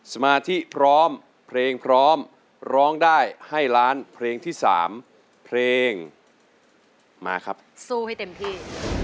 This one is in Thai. สมาธิพร้อมเพลงพร้อมร้องได้ให้ล้านเพลงที่สามเพลงมาครับสู้ให้เต็มที่